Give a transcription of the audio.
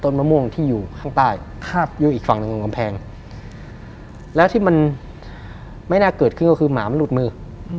มะม่วงที่อยู่ข้างใต้อยู่อีกฝั่งหนึ่งกำแพงแล้วที่มันไม่น่าเกิดขึ้นก็คือหมามันหลุดมือ